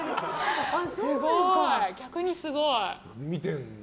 逆にすごい。